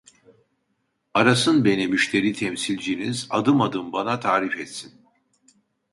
Arasın beni müşteri temsilciniz adım adım bana tarif etsin